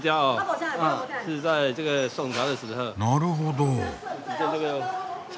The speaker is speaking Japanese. なるほど。